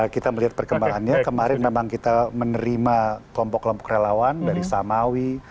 kita melihat perkembangannya kemarin memang kita menerima kelompok kelompok relawan dari samawi